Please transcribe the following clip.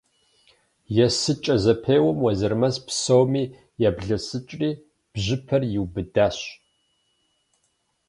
Есыкӏэ зэпеуэм Уэзырмэс псоми яблэсыкӏри бжьыпэр иубыдащ.